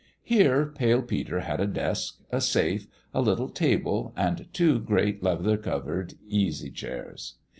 Here Pale Peter had a desk, a safe, a little table and two great leather covered easy chairs.